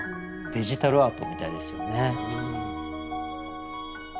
デジタルアートみたいですよね。